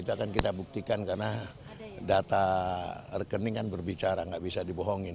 itu akan kita buktikan karena data rekening kan berbicara nggak bisa dibohongin